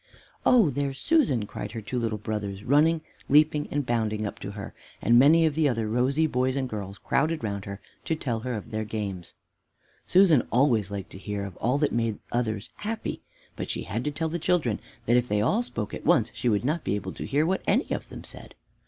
"Oh, there's Susan!" cried her two little brothers, running, leaping and bounding up to her; and many of the other rosy boys and girls crowded round her to tell of their games. Susan always liked to hear of all that made others happy, but she had to tell the children that if they all spoke at once she would not be able to hear what any of them said.